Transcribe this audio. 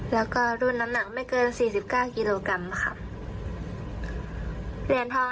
แล้วก็รุ่นน้ำหนักไม่เกินสี่สิบก้าวกิโลกรัมค่ะเหรียญทอง